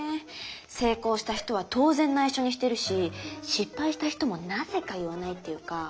成功した人は当然ないしょにしてるし失敗した人もなぜか言わないっていうか。